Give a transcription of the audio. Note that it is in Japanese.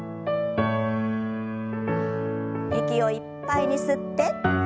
息をいっぱいに吸って。